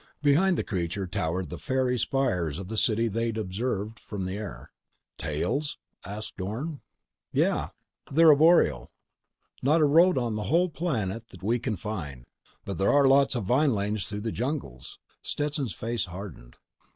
Behind the creature towered the faery spires of the city they'd observed from the air. "Tails?" asked Orne. "Yeah. They're arboreal. Not a road on the whole planet that we can find. But there are lots of vine lanes through the jungles." Stetson's face hardened.